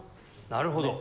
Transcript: なるほど！